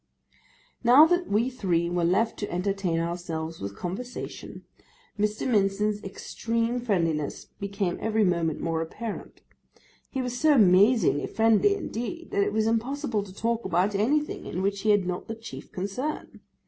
Now that we three were left to entertain ourselves with conversation, Mr. Mincin's extreme friendliness became every moment more apparent; he was so amazingly friendly, indeed, that it was impossible to talk about anything in which he had not the chief concern.